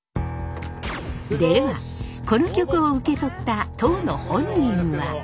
ではこの曲を受け取った当の本人は？